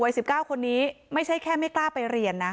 วัยสิบเก้าคนนี้ไม่ใช่แค่ไม่กล้าไปเรียนนะ